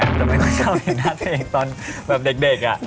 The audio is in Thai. มันจะไม่ค่อยชอบเห็นหน้าตัวเองตอนเด็กอะ